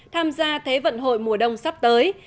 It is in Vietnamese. tham gia thế vận hội mùa đông sắp tới